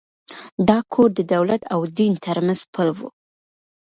دا کور د دولت او دین تر منځ پُل و.